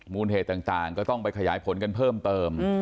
เหตุต่างก็ต้องไปขยายผลกันเพิ่มเติม